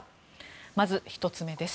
まず１つ目です。